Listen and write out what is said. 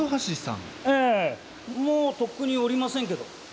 もうとっくにおりませんけど。